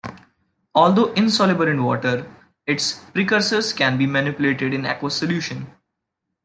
Although insoluble in water, its precursors can be manipulated in aqueous solution.